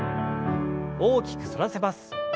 大きく反らせます。